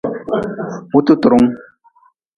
Hututrungu.